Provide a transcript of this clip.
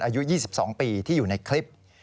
อายุ๒๒ปีที่อยู่ในคลิป